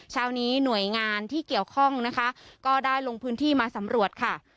เช้านี้หน่วยงานที่เกี่ยวข้องนะคะก็ได้ลงพื้นที่มาสำรวจค่ะ